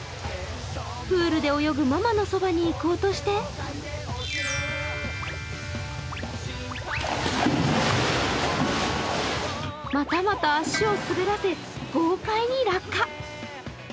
プールで泳ぐママのそばに行こうとしてまたまた足を滑らせ豪快に落下。